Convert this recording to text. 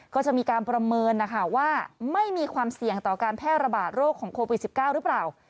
ก็จะมีการประเมินนะคะว่าไม่มีความเสี่ยงต่อการแพร่ระบาดโรคของโควิด๑๙หรือเปล่า